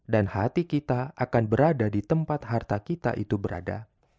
dan hati kita akan berada di tempat harta kita itu berada